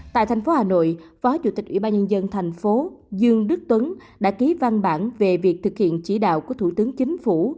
tại thành phố hà nội phó chủ tịch ủy ban nhân dân thành phố dương đức tuấn đã ký văn bản về việc thực hiện chỉ đạo của thủ tướng chính phủ